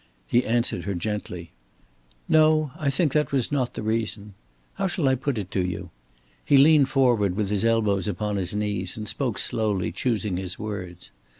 He answered her gently: "No; I think that was not the reason. How shall I put it to you?" He leaned forward with his elbows upon his knees, and spoke slowly, choosing his words.